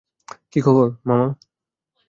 কী খবর, মামা?